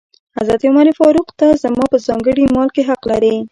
حضرت عمر فاروق وویل: ته زما په ځانګړي مال کې حق لرې.